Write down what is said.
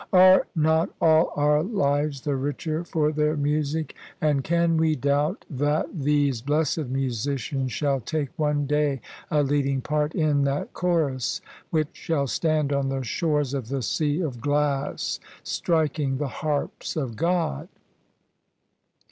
Are not all our lives the richer for their music? And can we doubt that THE SUBJECTION these blessed musicians shall take one day a leading part in that chorus which shall stand on the shores of the sea of glass, striking the harps of Gfod?